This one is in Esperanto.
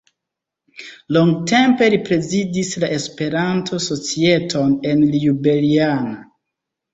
Longtempe li prezidis la Esperanto-societon en Ljubljana.